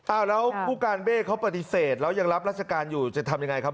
อ้าวแล้วผู้การเบ้เขาปฏิเสธแล้วยังรับราชการอยู่จะทำยังไงครับ